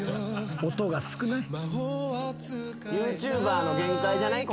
音が少ない。